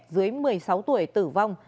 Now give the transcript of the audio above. dưới một mươi sáu tuổi tử vong